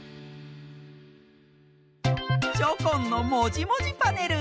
チョコンの「もじもじパネル」！